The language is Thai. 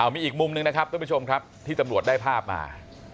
มีอีกมุมหนึ่งนะครับท่านผู้ชมครับที่ตำรวจได้ภาพมา